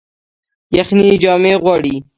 یخني جامې غواړي